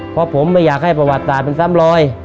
เพราะผมไม่อยากให้ประวัติศาสตร์เป็นซ้ำรอย